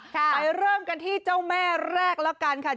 ไปเริ่มกันที่เจ้าแม่แรกแล้วกันค่ะ